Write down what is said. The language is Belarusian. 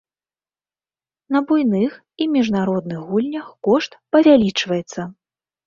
На буйных і міжнародных гульнях кошт павялічваецца.